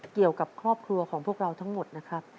เกี่ยวกับครอบครัวของพวกเราทั้งหมดนะครับ